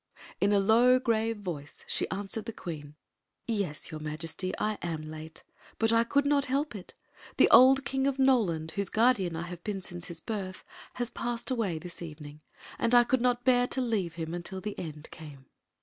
In a low, grave voice she answered the queen :" Yes, your Majesty, I am late. But I could not help it The old King of Noland, whose guardian I ha^ been since hi» birth, has passed away this evening, and I could ik^ h&air to leave him until At end came."